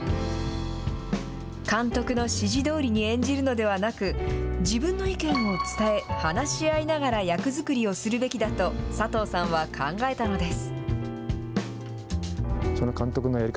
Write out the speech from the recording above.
監督の指示どおりに演じるのではなく、自分の意見を伝え、話し合いながら役作りをするべきだと佐藤さんは考えたのです。